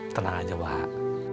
tenang aja wak